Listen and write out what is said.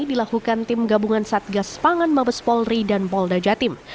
dilakukan tim gabungan satgas pangan mabes polri dan polda jatim